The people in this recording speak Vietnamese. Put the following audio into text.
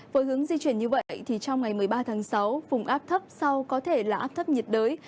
với hướng di chuyển như vậy trong ngày một mươi ba tháng sáu vùng áp thấp sau có thể là áp thấp nhiệt đới